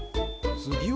つぎは？